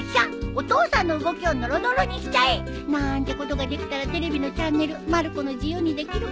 お父さんの動きをノロノロにしちゃえ！なんてことができたらテレビのチャンネルまる子の自由にできるかな。